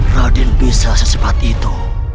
raden bisa sesepat itu